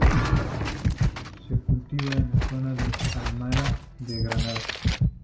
Se cultiva en la zona de Alhama de Granada.